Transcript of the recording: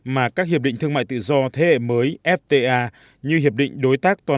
mà các hiệp định thương mại tự do thế hệ mới fta như hiệp định đối tác nước ngoài